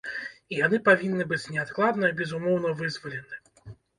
І яны павінны быць неадкладна і безумоўна вызвалены.